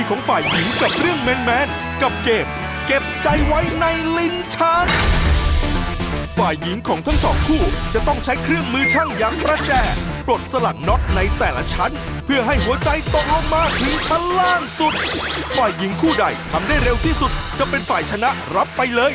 เก็บใจไว้ในลิ้นชักของเราเนี่ยนะครับ